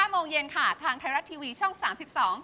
๕โมงเย็นค่ะทางไทยรัฐทีวีช่อง๓๒